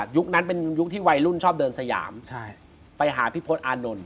นั้นเป็นยุคที่วัยรุ่นชอบเดินสยามไปหาพี่พศอานนท์